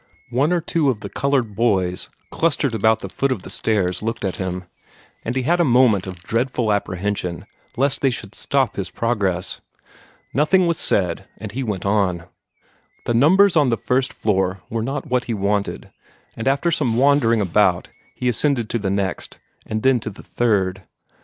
One or two of the colored boys clustered about the foot of the stairs looked at him, and he had a moment of dreadful apprehension lest they should stop his progress. Nothing was said, and he went on. The numbers on the first floor were not what he wanted, and after some wandering about he ascended to the next, and then to the third.